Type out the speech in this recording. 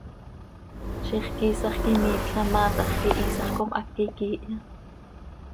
Ziix quiisax quih imiipla maa tax, ¿ihiisax com háqui quiihya?